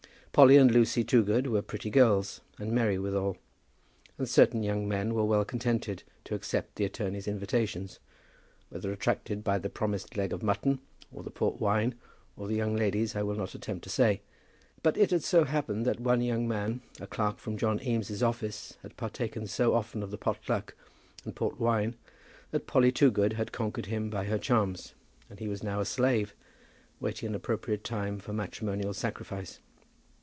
Polly and Lucy Toogood were pretty girls, and merry withal, and certain young men were well contented to accept the attorney's invitations, whether attracted by the promised leg of mutton, or the port wine, or the young ladies, I will not attempt to say. But it had so happened that one young man, a clerk from John Eames' office, had partaken so often of the pot luck and port wine that Polly Toogood had conquered him by her charms, and he was now a slave, waiting an appropriate time for matrimonial sacrifice.